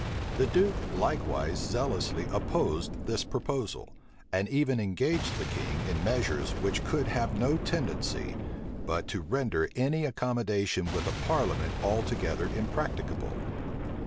The duke likewise zealously opposed this proposal, and even engaged the king in measures which could have no tendency, but to render any accommodation with a parliament altogether impracticable.